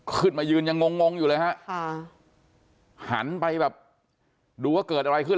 ขึ้นมายืนยังงงงอยู่เลยฮะค่ะหันไปแบบดูว่าเกิดอะไรขึ้น